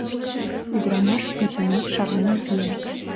Ӱдырамаш пӱтынек шарлен кия.